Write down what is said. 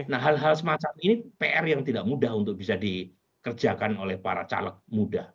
nah hal hal semacam ini pr yang tidak mudah untuk bisa dikerjakan oleh para caleg muda